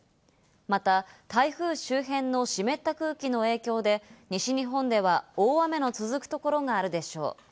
また、台風周辺の湿った空気の影響で、西日本では大雨の続くところがあるでしょう。